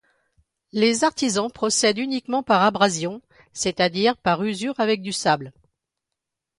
Les artisans procèdent uniquement par abrasion, c’est-à-dire par usure avec du sable.